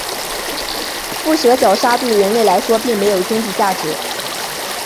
腹蛇角鲨对人类来说并没有经济价值。